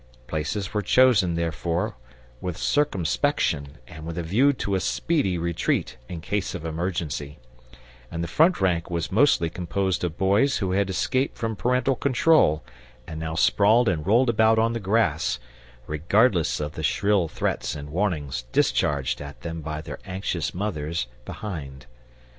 Places were chosen, therefore, with circumspection and with a view to a speedy retreat in case of emergency; and the front rank was mostly composed of boys who had escaped from parental control and now sprawled and rolled about on the grass, regardless of the shrill threats and warnings discharged at them by their anxious mothers behind.